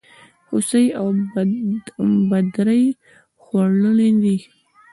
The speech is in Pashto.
هوسۍ او بدرۍ خورلڼي دي.